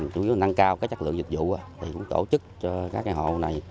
chủ yếu là năng cao các chất lượng dịch vụ thì cũng tổ chức cho các hộ này